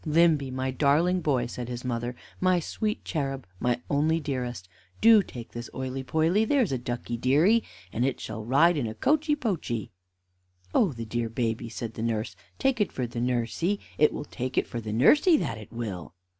"Limby, my darling boy," said his mother, "my sweet cherub, my only dearest, do take its oily poily, there's a ducky deary, and it shall ride in a coachy poachy." "Oh, the dear baby!" said the nurse; "take it for nursey. It will take it for nursey, that it will."